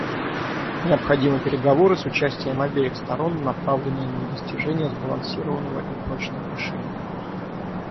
Необходимы переговоры с участием обеих сторон, направленные на достижение сбалансированного и прочного решения.